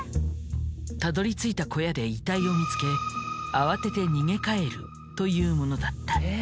たどり着いた小屋で遺体を見つけ慌てて逃げ帰るというものだった。